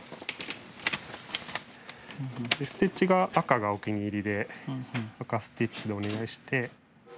ステッチが赤がお気に入りで赤ステッチでお願いして。